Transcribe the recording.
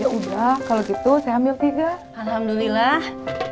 mengumum beautiful milion ugh